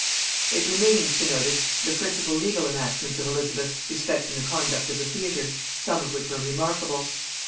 It remains to notice the principal legal enactments of Elizabeth respecting the conduct of the theatre, some of which are remarkable.